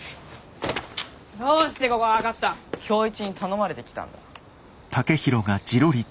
どうしてここがわかった⁉今日一に頼まれてきたんだ。